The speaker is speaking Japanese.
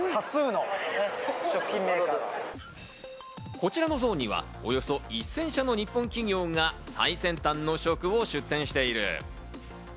こちらのゾーンには、およそ１０００社の日本企業が最先端の食を出展している。